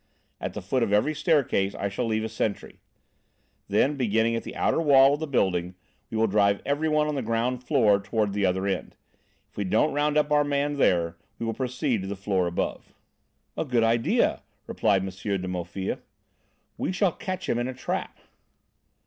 At the foot of every staircase I shall leave a sentry. Then, beginning at the outer wall of the building we will drive everyone on the ground floor toward the other end. If we don't round up our man there, we will proceed to the floor above." "A good idea," replied M. de Maufil. "We shall catch him in a trap."